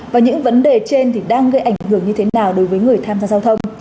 và những vấn đề trên thì đang gây ảnh hưởng như thế nào đối với người tham gia giao thông